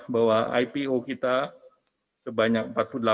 bahwa ipo kita sebanyak empat puluh delapan